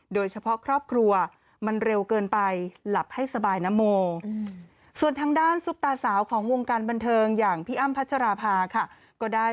โดยเฉพาะครอบครัวมันเร็วเกินไปหลับให้สบายนะโม